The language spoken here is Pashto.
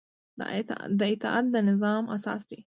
اطاعت د نظام اساس دی